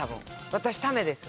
私タメです。